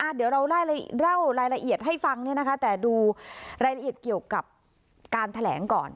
เดี๋ยวเราเล่ารายละเอียดให้ฟังแต่ดูรายละเอียดเกี่ยวกับการแถลงก่อน